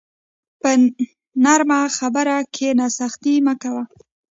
په نرمه خبره کښېنه، سختي مه کوه.